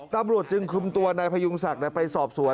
ตำรวจจึงคุมตัวนายพยุงศักดิ์ไปสอบสวน